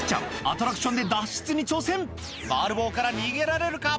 アトラクションで脱出に挑戦回る棒から逃げられるか？